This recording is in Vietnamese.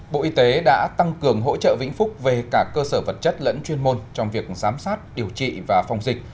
bộ y tế đã tăng cường hỗ trợ vĩnh phúc về cả cơ sở vật chất lẫn chuyên môn trong việc giám sát điều trị và phòng dịch